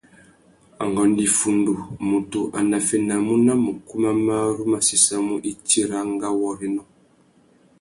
Angüêndô iffundu, mutu a naffénamú nà mukú mà marru má séssamú itsi râ ngawôrénô.